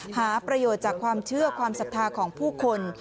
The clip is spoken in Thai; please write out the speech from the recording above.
หาประโยชน์จากความเชื่อความศรัทธาของผู้คน